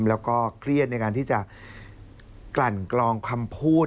แล้วก็เครียดในการที่จะกลั่นกลองคำพูด